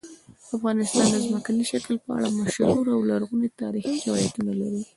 افغانستان د ځمکني شکل په اړه مشهور او لرغوني تاریخی روایتونه لري.